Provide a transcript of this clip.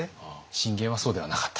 信玄はそうではなかった。